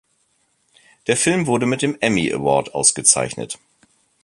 Der Film wurde mit dem Emmy-Award ausgezeichnet.